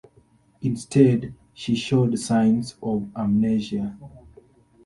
Instead, she showed signs of amnesia.